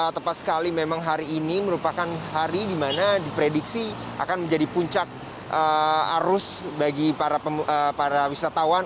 tepat sekali memang hari ini merupakan hari di mana diprediksi akan menjadi puncak arus bagi para wisatawan